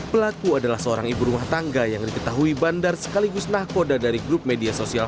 pelaku adalah seorang ibu rumah tangga yang diketahui bandar sekaligus nahkoda dari grup media sosial